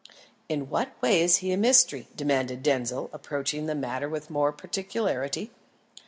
"In what way is he a mystery?" demanded Denzil, approaching the matter with more particularity.